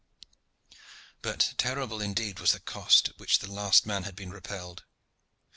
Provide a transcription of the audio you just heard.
But terrible indeed was the cost at which the last had been repelled.